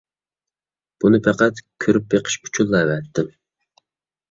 بۇنى پەقەت كۆرۈپ بېقىش ئۈچۈنلا ئەۋەتتىم.